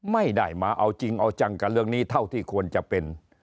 ไม่ได้มาเอาจริงเอาจังกับเรื่องนี้เท่าที่ควรจะเป็น